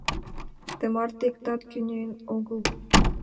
Тымарте иктат кӧнен огыл.